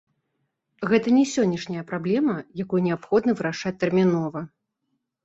Гэта не сённяшняя праблема, якую неабходна вырашаць тэрмінова.